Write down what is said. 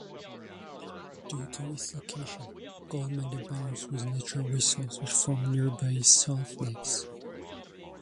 Due to its location, Golmud abounds with natural resources from nearby salt lakes.